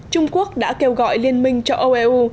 trung quốc đã kêu gọi liên minh cho eu